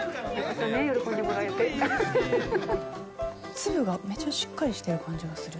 粒がめちゃくちゃしっかりしている感じがする。